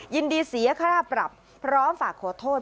ยินดีเสียค่าปรับพร้อมฝากขอโทษ